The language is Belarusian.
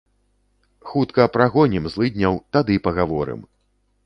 Хутка прагонім злыдняў, тады пагаворым.